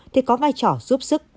thì có vai trò giúp sức